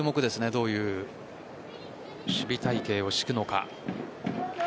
どういう守備隊形を敷くのか。